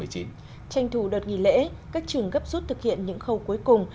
tranh thủ đợt nghỉ lễ các trường gấp rút thực hiện những khâu cuối cùng